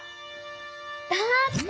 だって！